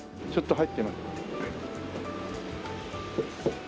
ちょっと入って。